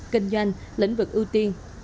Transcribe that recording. kinh doanh lĩnh vực ưu tiên